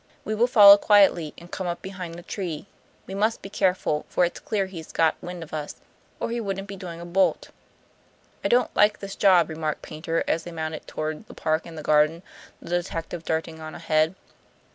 We will follow quietly, and come up behind the tree. We must be careful, for it's clear he's got wind of us, or he wouldn't be doing a bolt." "I don't like this job," remarked Paynter, as they mounted toward the park and garden, the detective darting on ahead.